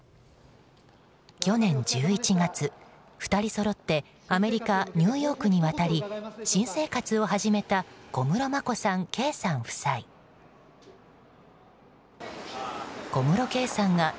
去年１１月、２人そろってアメリカ・ニューヨークに渡り新生活を始めた小室眞子さん、圭さん夫妻。